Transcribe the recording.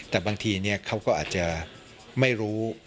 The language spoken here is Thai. แต่บางทีเขาก็อาจจะไม่รู้